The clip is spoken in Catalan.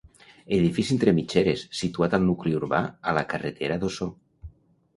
Edifici entre mitgeres, situat al nucli urbà, a la carretera d'Osor.